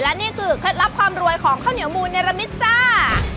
และนี่คือเคล็ดลับความรวยของข้าวเหนียวมูลเนรมิตจ้า